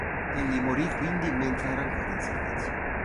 Egli morì quindi mentre era ancora in servizio.